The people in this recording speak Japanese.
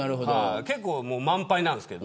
結構、満杯なんですけど。